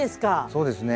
そうですね。